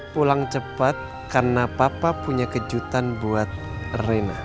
pulang cepat karena papa punya kejutan buat rena